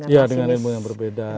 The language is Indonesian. ya dengan ilmu yang berbeda